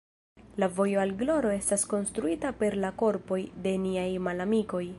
La vojo al gloro estas konstruita per la korpoj de niaj malamikoj.